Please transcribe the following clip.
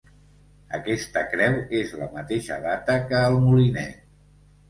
Aquesta creu és la mateixa data que el Molinet.